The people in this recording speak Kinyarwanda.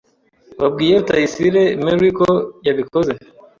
Wabwiye Rutayisire Mary ko yabikoze?